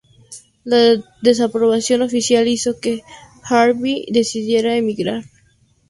La desaprobación oficial hizo que Järvi decidiera emigrar.